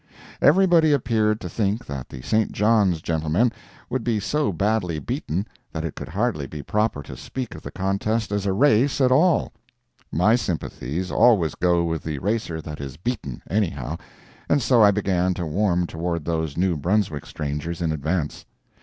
Everybody appeared to think that the St. John's gentlemen would be so badly beaten that it could hardly be proper to speak of the contest as a race at all. My sympathies always go with the racer that is beaten, anyhow, and so I began to warm toward those New Brunswick strangers in advance.